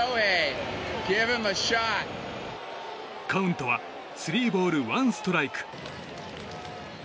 カウントはスリーボールワンストライク。